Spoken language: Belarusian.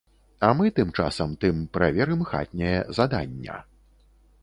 А мы тым часам тым праверым хатняе задання.